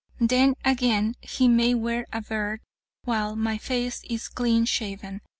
Then again, he may wear a beard, while my face is clean shaven.